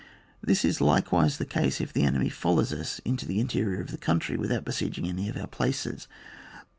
This is likewise the case if the enemy foUows.us into the interior of the coimtry without besieging any of our places.